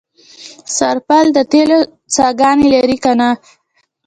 سرپل د تیلو څاګانې لري که نه؟